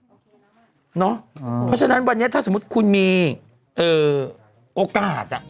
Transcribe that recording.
เพราะฉะนั้นวันนี้ถ้าสมมุติคุณมีโอกาส